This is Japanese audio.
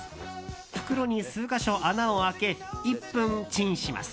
袋に数か所穴を開け１分チンします。